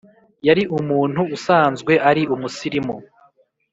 yari umuntu usanzwe ari umusirimu